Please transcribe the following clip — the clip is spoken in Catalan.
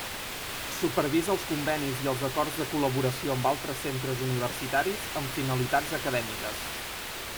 Supervisa els convenis i els acords de col·laboració amb altres centres universitaris amb finalitats acadèmiques.